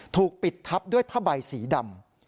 ถูกปิดทับด้วยผ้าใบสีดำ